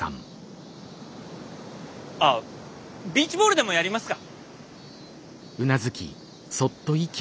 あっビーチボールでもやりますか。